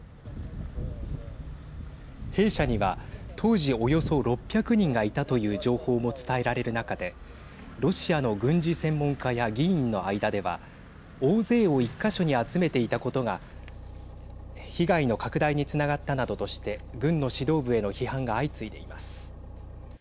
兵舎には当時、およそ６００人がいたという情報も伝えられる中でロシアの軍事専門家や議員の間では大勢を１か所に集めていたことが被害の拡大につながったなどとして軍の指導部への批判が相次いでいます。